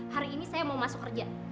hari ini saya mau masuk kerja